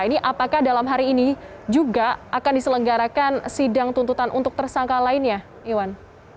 ini apakah dalam hari ini juga akan diselenggarakan sidang tuntutan untuk tersangka lainnya iwan